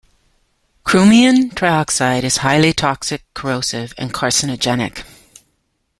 Chromium trioxide is highly toxic, corrosive, and carcinogenic.